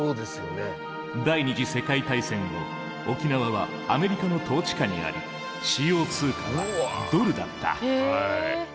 第２次世界大戦後沖縄はアメリカの統治下にあり使用通貨はドルだった。